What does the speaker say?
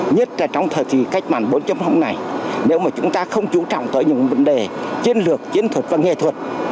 nhất là trong thời kỳ cách mạng bốn trăm linh hôm nay nếu mà chúng ta không chú trọng tới những vấn đề chiến lược chiến thuật và nghệ thuật